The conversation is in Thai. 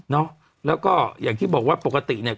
เนาะแล้วก็อย่างที่บอกว่าปกติเนี่ย